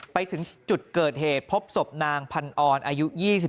ไปถึงจุดเกิดเหตุพบศพนางพันออนอายุ๒๓